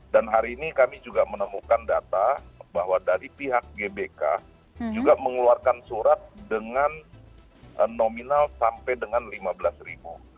dan hari ini kami juga menemukan data bahwa dari pihak gbk juga mengeluarkan surat dengan nominal sampai dengan lima belas ribu